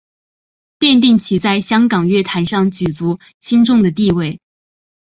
奠定其在香港乐坛上举足轻重的地位。